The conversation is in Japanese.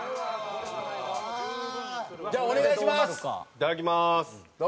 いただきます。